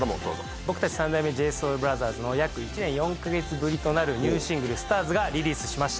僕たち三代目ＪＳＯＵＬＢＲＯＴＨＥＲＳの約１年４か月ぶりとなるニューシングル『ＳＴＡＲＳ』がリリースしました。